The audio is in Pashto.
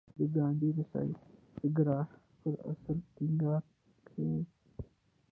ګاندي د ساتیاګراها پر اصل ټینګار کاوه.